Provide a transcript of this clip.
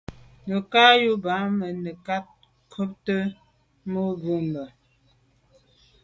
Nə̀ cǎ ú rə̀ bɑ́mə́ nə̀tâ ncûptə̂ mû’ bə̀.